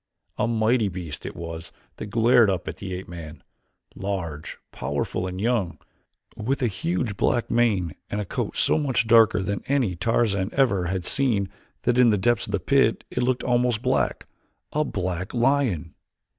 A mighty beast it was that glared up at the ape man large, powerful and young, with a huge black mane and a coat so much darker than any Tarzan ever had seen that in the depths of the pit it looked almost black a black lion!